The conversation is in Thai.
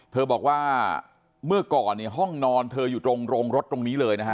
เธอบอกว่าเมื่อก่อนเนี่ยห้องนอนเธออยู่ตรงโรงรถตรงนี้เลยนะฮะ